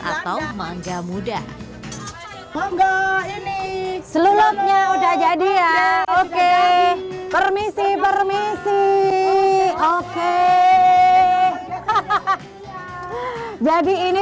atau mangga muda mangga ini selulupnya udah jadi ya oke permisi permisi oke hahaha jadi ini